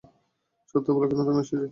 সত্য বল, কেন তুমি এসেছো?